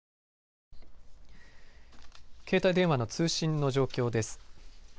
携帯電話の通信の状況です。